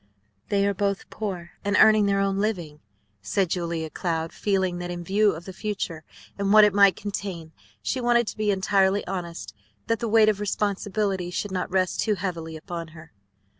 "They are both poor and earning their own living," said Julia Cloud, feeling that in view of the future and what it might contain she wanted to be entirely honest, that the weight of responsibility should not rest too heavily upon her.